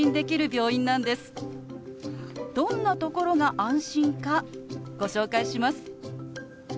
どんなところが安心かご紹介します。